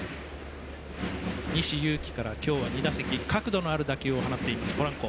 西勇輝から今日は２打席角度のある打球を放っていますポランコ。